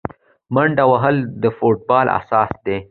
منډه وهل د فوټبال اساس دی.